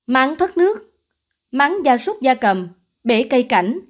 mắng thoát nước mắng da súc da cầm bể cây cảnh